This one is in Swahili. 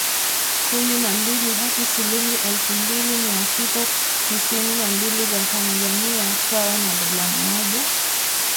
kumi na mbili hadi shilingi elfu mbili mia sita tisini na mbili za Tanzania sawa na dola mmoja